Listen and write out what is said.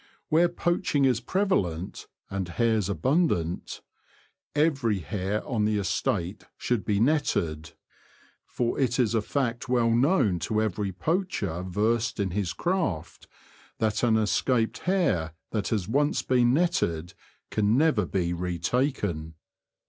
Where poaching is prevalent and hares abundant, every hare on the estate should be netted^ for it is a fact well known to every poacher versed 68 The Confessions of a Poacher, in his craft, that an escaped hare that has once been netted can never be retaken.